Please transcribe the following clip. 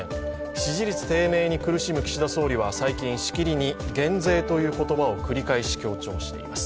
支持率低迷に苦しむ岸田総理は最近、しきりに減税という言葉を繰り返し強調しています。